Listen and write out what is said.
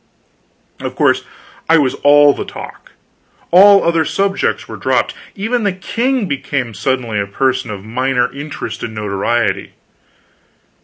Of course I was all the talk all other subjects were dropped; even the king became suddenly a person of minor interest and notoriety.